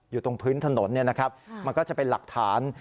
อยู่ตรงพื้นถนนมันก็จะเป็นหลักฐาน